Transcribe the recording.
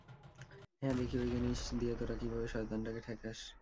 হ্যাঁ, দেখি ঐ জিনিস দিয়ে তোরা কীভাবে শয়তানটাকে ঠেকাস।